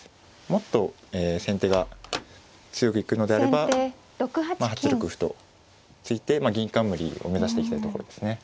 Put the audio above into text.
もっと先手が強く行くのであれば８六歩と突いて銀冠を目指していきたいところですね。